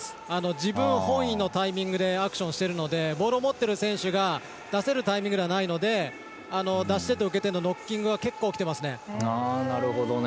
自分本意のタイミングでアクションしているのでボールを持っている選手が出せるタイミングではないので出し手と動き手のノッキングが結構起きていますね。